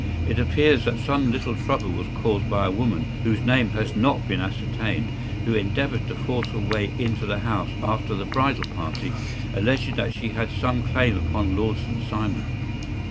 It appears that some little trouble was caused by a woman, whose name has not been ascertained, who endeavored to force her way into the house after the bridal party, alleging that she had some claim upon Lord St. Simon.